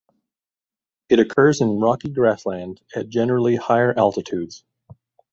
It occurs in rocky grassland at generally higher altitudes.